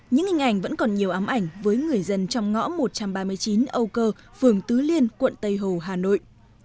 những hình ảnh vẫn còn nhiều ám ảnh với người dân trong ngõ một trăm ba mươi chín âu cơ phường tứ liên quận tây hồ hà nội